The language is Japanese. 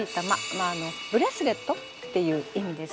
まああのブレスレットっていう意味です。